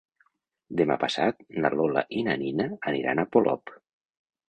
Demà passat na Lola i na Nina aniran a Polop.